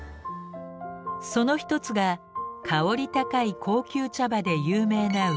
その一つが香り高い高級茶葉で有名な宇治茶。